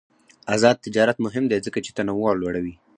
آزاد تجارت مهم دی ځکه چې تنوع لوړوی.